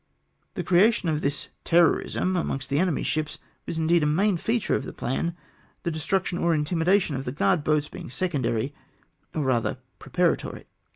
The creation of this terrorism amongst the enemy's ships was indeed a main feature of the plan, the destruction or intimida tion of the guard boats being secondary, or rather preparatory.